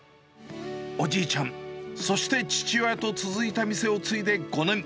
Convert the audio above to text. おじいちゃん、そして父親と続いた店を継いで５年。